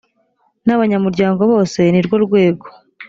n abanyamuryango bose nirwo rwego